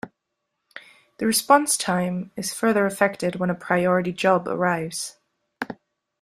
The response time is further affected when a priority job arrives.